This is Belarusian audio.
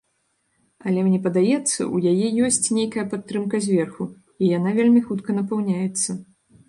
Але мне падаецца, у яе ёсць нейкая падтрымка зверху, і яна вельмі хутка напаўняецца.